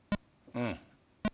うん？